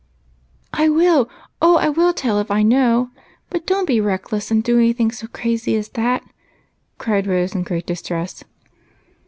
" I will ! oh, I will tell, if I know ! But don't be reckless and do any thing so crazy as that," cried Rose, in great distress.